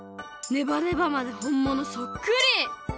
ネバネバまでほんものそっくり！